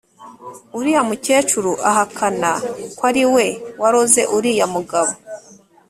uriya mu kecuru ahakana ko ariwe waroze uriya mugabo